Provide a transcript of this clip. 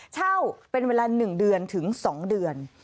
เช่าเป็นเวลา๑เดือนถึง๒เดือน